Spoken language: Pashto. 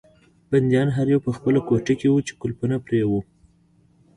بندیان هر یو په خپله کوټه کې وو چې قلفونه پرې وو.